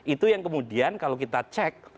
itu yang kemudian kalau kita cek